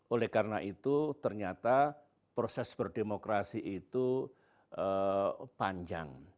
oleh karena itu ternyata proses berdemokrasi itu panjang